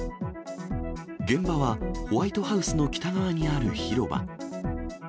現場は、ホワイトハウスの北側にある広場。